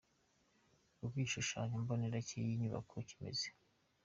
Uko igishushanyo mbonera cy’iyi nyubako kimeze.